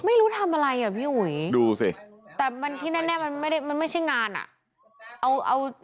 ไม่รู้ทำอะไรอ่ะพี่อุ๋ยดูสิแต่มันที่แน่มันไม่ใช่งานอ่ะ